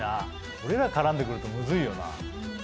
俺ら絡んでくるとムズいよな。